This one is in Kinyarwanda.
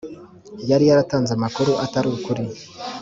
yari yaratanze amakuru atari ukuri